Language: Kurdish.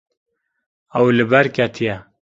Ew li ber ketiye.